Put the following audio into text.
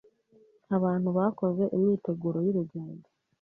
Abantu bakoze imyiteguro y'urugendo.